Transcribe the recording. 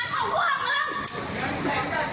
กระจอกเงินแค่๘๐มันกระจอก